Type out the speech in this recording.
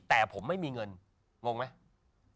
แต่ผมไม่มีเงินงงไหม